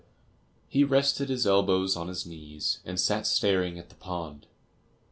He rested his elbows on his knees and sat staring at the pond.